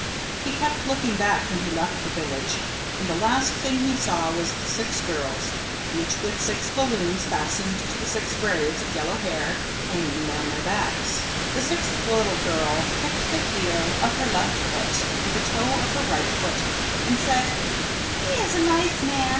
He kept looking back when he left the Village and the last thing he saw was the six girls each with six balloons fastened to the six braids of yellow hair hanging down their backs. The sixth little girl kicked the heel of her left foot with the toe of her right foot and said, "He is a nice man.